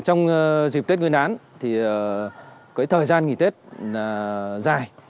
trong dịp tết nguyên án thời gian nghỉ tết dài